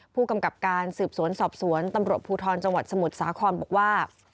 ผู้กำกับการสืบสวนสอบสวนตำรวจภูทรจังหวัดสมุทรสาครบอกว่า